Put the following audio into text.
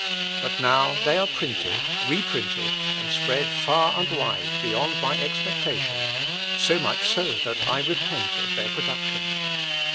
But now they are printed, reprinted, and spread far and wide, beyond my expectation; so much so that I repent of their production.